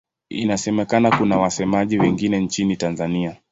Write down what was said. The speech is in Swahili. Inasemekana kuna wasemaji wengine nchini Tanzania.